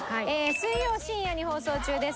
水曜深夜に放送中です。